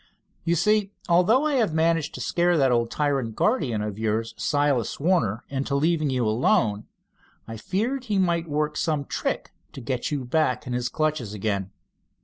You see, although I have managed to scare that old tyrant guardian of yours, Silas Warner, into leaving you alone, I feared he might work some trick to get you back in his clutches again."